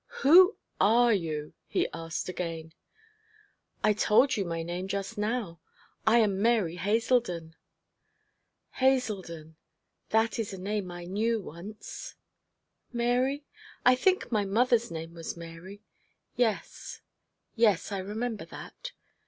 'Who are you?' he asked again. 'I told you my name just now. I am Mary Haselden.' 'Haselden that is a name I knew once. Mary? I think my mother's name was Mary. Yes, yes, I remember that.